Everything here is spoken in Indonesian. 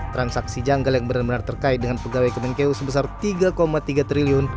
transaksi janggal yang benar benar terkait dengan pegawai kemenkeu sebesar rp tiga tiga triliun